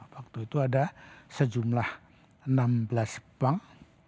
waktu itu ada sejumlah enam belas bank